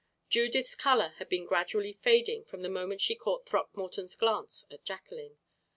Judith's color had been gradually fading from the moment she caught Throckmorton's glance at Jacqueline.